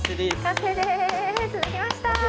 完成です、できました。